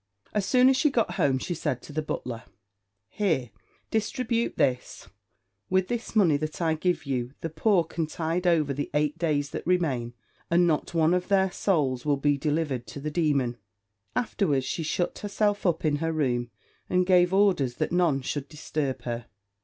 As soon as she got home she said to the butler, "Here, distribute this: with this money that I give you the poor can tide over the eight days that remain, and not one of of their souls will be delivered to the demon." Afterwards she shut herself up in her room, and gave orders that none should disturb her.